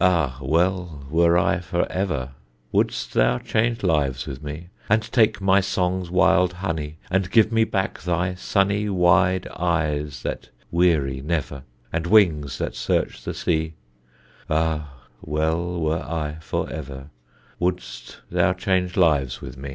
Ah, well were I for ever, Wouldst thou change lives with me, And take my song's wild honey, And give me back thy sunny Wide eyes that weary never, And wings that search the sea; Ah, well were I for ever, Wouldst thou change lives with me.